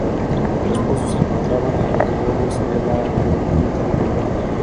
Los pozos se encontraban en lo que luego sería la glorieta de Bilbao.